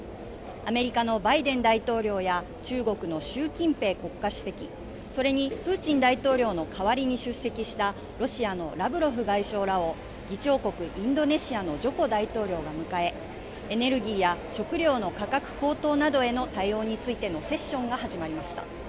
アメリカのバイデン大統領や中国の習近平国家主席、それにプーチン大統領の代わりに出席したロシアのラブロフ外相らを議長国インドネシアのジョコ大統領が迎えエネルギーや食料の価格高騰などへの対応についてのセッションが始まりました。